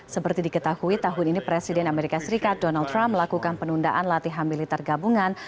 seperti diketahui tahun ini presiden amerika serikat donald trump melakukan penundaan latihan militer gabungan